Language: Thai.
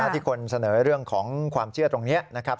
ที่คนเสนอเรื่องของความเชื่อตรงนี้นะครับ